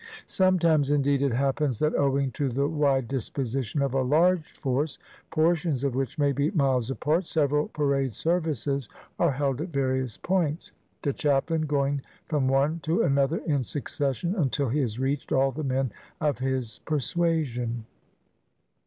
Sometimes, indeed, it happens that owing to the wide disposition of a large force, portions of which may be miles apart, several parade services are held at various points, the chaplain going from one to another in succession until he has reached all the men of his "persuasion."